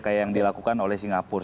kayak yang dilakukan oleh singapura